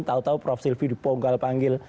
tau tau prof silvi dipongkal panggil